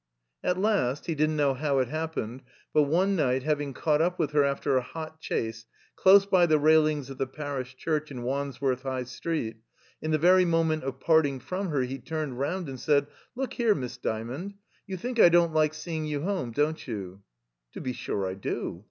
At last, he didn't know how it happened, but one night, having caught up with her after a hot chase, dose by the railings of the Parish Church in Wands worth High Street, in the very moment of parting from her he turned rotmd and said, "Look here. Miss Dymond, you think I don't like seeing you home, don't you?" "To be sure I do.